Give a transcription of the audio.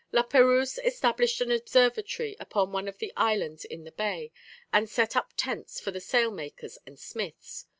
La Perouse established an observatory upon one of the islands in the bay, and set up tents for the sail makers and smiths.